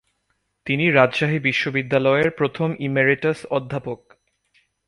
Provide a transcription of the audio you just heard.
তিনি রাজশাহী বিশ্ববিদ্যালয়ের প্রথম ইমেরিটাস অধ্যাপক।